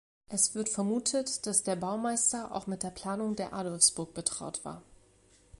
Es wird vermutet, dass der Baumeister auch mit der Planung der Adolfsburg betraut war.